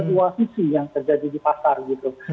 pasisi yang terjadi di pasar gitu